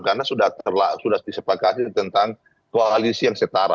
karena sudah disepakati tentang koalisi yang setara